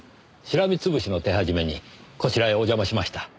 しらみ潰しの手始めにこちらへお邪魔しました。